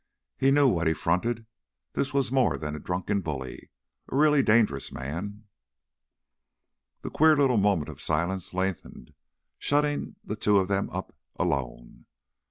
He knew what he fronted; this was more than a drunken bully—a really dangerous man. That queer little moment of silence lengthened, shutting the two of them up—alone.